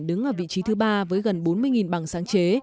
đứng ở vị trí thứ ba với gần bốn mươi bằng sáng chế